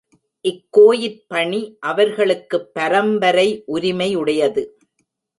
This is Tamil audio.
இக்கோயிற் பணி அவர்களுக்குப் பரம்பரை உரிமையுடையது.